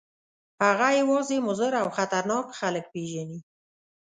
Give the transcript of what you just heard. هغه یوازې مضر او خطرناک خلک پېژني.